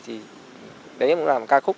thì đấy cũng là một ca khúc